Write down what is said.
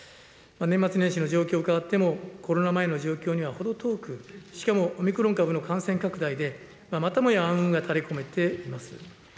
年末年始の状況を伺っても、コロナ前の状況には程遠く、しかもオミクロン株の感染拡大で、またもや暗雲が垂れこめています。